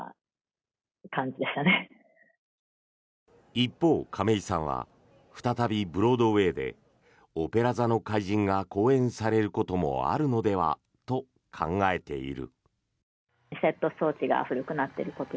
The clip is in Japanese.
一方、亀井さんは再びブロードウェーで「オペラ座の怪人」が公演されることもあるのではと考えている。